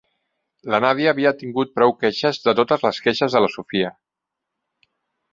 La Nadia havia tingut prou queixes de totes les queixes de la Sofia.